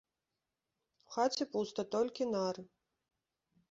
У хаце пуста, толькі нары.